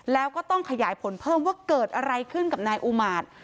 แล้วก็ต้องขยายผลเพิ่มว่าเกิดอะไรขึ้นกับนายอุมาตย์